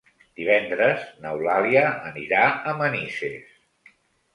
Divendres n'Eulàlia anirà a Manises.